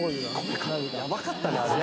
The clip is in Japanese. やばかったねあれ。